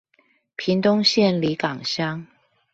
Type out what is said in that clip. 屏東縣里港鄉